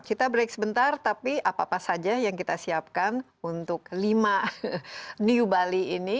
kita break sebentar tapi apa apa saja yang kita siapkan untuk lima new bali ini